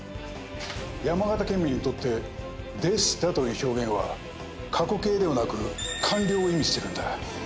山形県民にとって「でした」という表現は過去形ではなく完了を意味してるんだ。